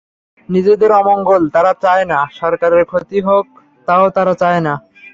নিজেদের অমঙ্গল তারা চায় না, সরকারের ক্ষতি হোক তাও তারা চায় না।